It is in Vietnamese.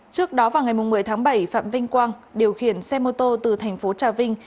trước đó vào ngày một mươi tháng bảy phạm vinh quang điều khiển xe mô tô từ thành phố trà vinh